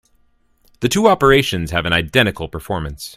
The two operations have an identical performance.